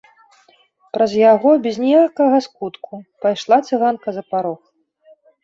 Праз яго без ніякага скутку пайшла цыганка за парог.